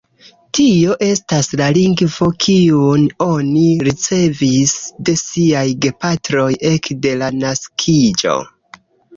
Tio estas la lingvo, kiun oni ricevis de siaj gepatroj ekde la naskiĝo.